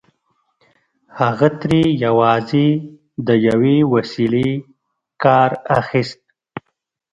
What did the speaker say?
هغه ترې يوازې د يوې وسيلې کار اخيست.